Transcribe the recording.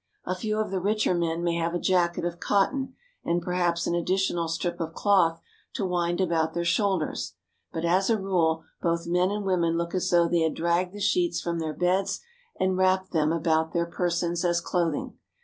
A few of the richer men may have a jacket of cotton, and perhaps an additional strip of cloth to wind about their shoulders, but as a rule both men and women look as though they had dragged the sheets from their beds and wrapped them about their per sons as clothing.